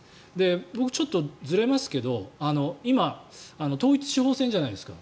僕、ちょっとずれますけど今、統一地方選じゃないですか。